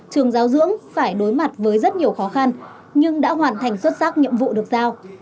trường giáo dưỡng phải đối mặt với rất nhiều khó khăn nhưng đã hoàn thành xuất sắc nhiệm vụ được giao